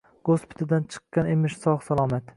Gospitaldan chikkan emish sog’-salomat